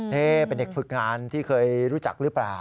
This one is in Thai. นี่เป็นเด็กฝึกงานที่เคยรู้จักหรือเปล่า